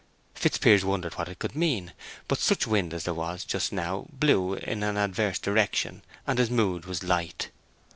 Fitzpiers wondered what it could mean; but such wind as there was just now blew in an adverse direction, and his mood was light.